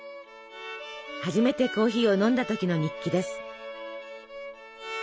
初めてコーヒーを飲んだ時の日記です。